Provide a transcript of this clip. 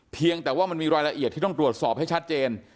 เพียงแต่ว่ามันมีรายละเอียดที่ต้องตรวจสอบให้ชัดเจน